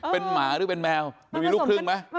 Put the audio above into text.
เป็นหมาหรือเป็นแมวมันมีลูกครึ่งไหม